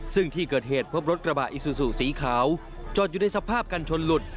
ซึ่งที่เกิดเหตุพบรถกระบะอิซูซูสีขาวจอดอยู่ในสภาพกันชนหลุด